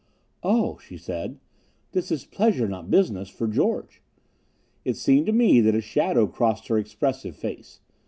"Oh," she said, "this is pleasure, not business, for George." It seemed to me that a shadow crossed her expressive face.